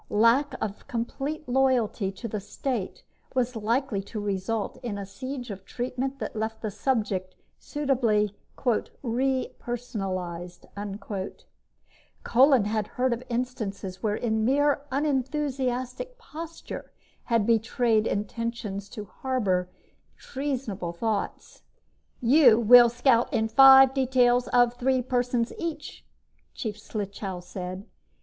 Lack of complete loyalty to the state was likely to result in a siege of treatment that left the subject suitably "re personalized." Kolin had heard of instances wherein mere unenthusiastic posture had betrayed intentions to harbor treasonable thoughts. "You will scout in five details of three persons each," Chief Slichow said.